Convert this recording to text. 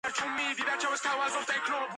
სამივენი ჰოლოკოსტის მსხვერპლი გახდნენ.